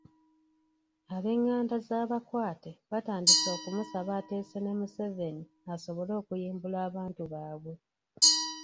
Ab'enganda z'abakwate batandise okumusaba ateese ne Museveni asobole okuyimbula abantu baabwe.